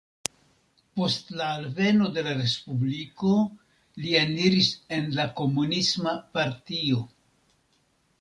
Post la alveno de la Respubliko li eniris en la Komunisma Partio.